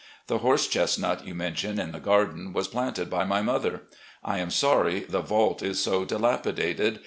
The horse chestnut you mention in the garden was planted by my mother. I am sorry the vault is so dilapidated.